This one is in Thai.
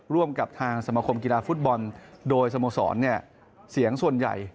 ร่วมกับทางสมคมกีฬาฟุตบอลโดยสโมสรเนี่ยเสียงส่วนใหญ่